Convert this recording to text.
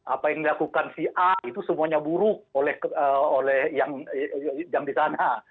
apa yang dilakukan si a itu semuanya buruk oleh yang di sana